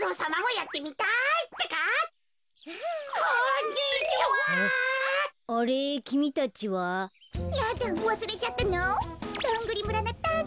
やだわすれちゃったの？